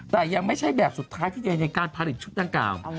แต่ยังไม่ใช่แบบสุดท้ายที่ใดในการผลิตชุดดังกล่าว